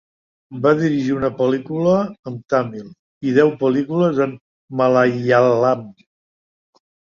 Va dirigir una pel·lícula en tàmil i deu pel·lícules en malaiàlam.